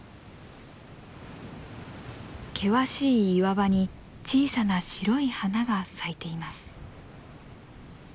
険しい岩場に小さな白い花が咲いています。